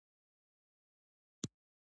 بواسير غورزول خپل فرض عېن ګڼي -